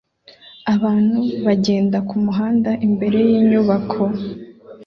Abantu bagenda kumuhanda imbere yinyubako